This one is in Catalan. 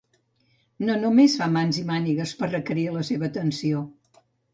No només fa mans i mànigues per requerir la seva atenció.